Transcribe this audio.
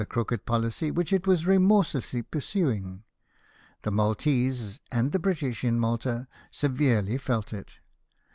203 crooked policy which it was remorselessly pursuing. The Maltese, and the British in Malta, severely felt it.